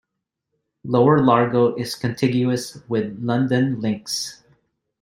Lower Largo is contiguous with Lundin Links.